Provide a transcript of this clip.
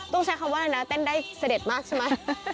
ต้องใช้คำว่าอะไรนะเต้นได้เสด็จมากใช่ไหม